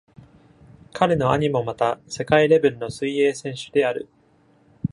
彼の兄もまた、世界レベルの水泳選手である。